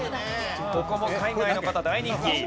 ここも海外の方大人気。